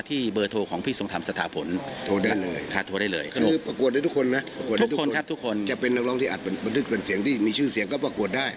ที่มีชื่อเสียงก็ปรากฏได้